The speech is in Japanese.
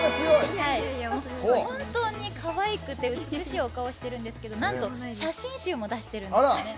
本当にかわいくて美しいお顔をしてるんですけどなんと写真集も出しているんですね。